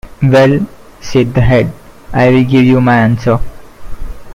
"Well," said the Head, "I will give you my answer".